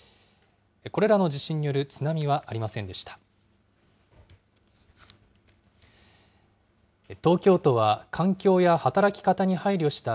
これらの地震による津波はありませんでした。